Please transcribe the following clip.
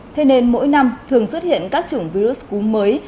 thế nên mỗi năm thường xuất hiện các chủng virus cúm mới